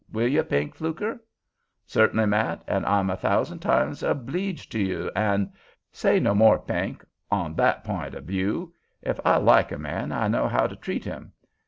Will you, Pink Fluker?" "Cert'nly, Matt, an' I'm a thousand times obleeged to you, an'—" "Say no more, Pink, on that p'int o' view. Ef I like a man, I know how to treat him.